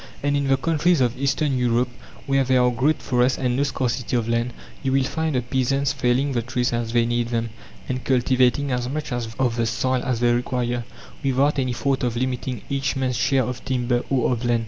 And in the countries of Eastern Europe, where there are great forests and no scarcity of land, you will find the peasants felling the trees as they need them, and cultivating as much of the soil as they require, without any thought of limiting each man's share of timber or of land.